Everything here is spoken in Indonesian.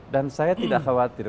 dan saya tidak khawatir